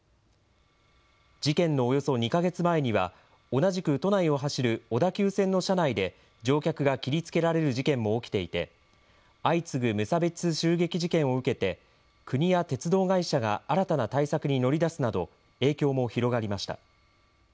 事件のおよそ２か月前には、同じく都内を走る小田急線の車内で乗客が切りつけられる事件も起きていて、相次ぐ無差別襲撃事件を受けて、国や鉄道会社が新たな対策に乗り出すなど、影響も広がりました。